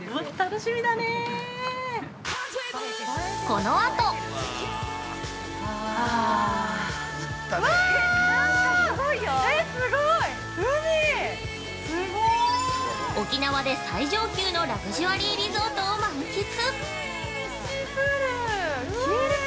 ◆このあと沖縄で最上級のラグジュアリーリゾートを満喫！